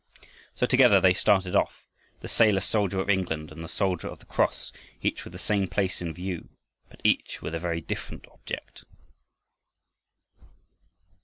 So together they started off, the sailor soldier of England and the soldier of the cross, each with the same place in view but each with a very different object.